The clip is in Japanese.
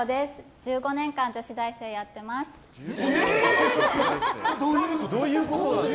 １５年間女子大生やってます。